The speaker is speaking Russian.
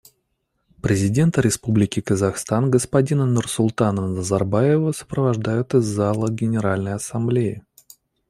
Президента Республики Казахстан господина Нурсултана Назарбаева сопровождают из зала Генеральной Ассамблеи.